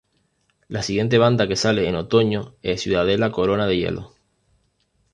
La siguiente banda que sale en otoño es Ciudadela Corona de Hielo.